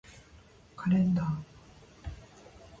カレンダー